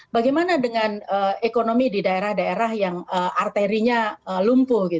bagaimana dengan ekonomi di daerah daerah yang arterinya lumpuh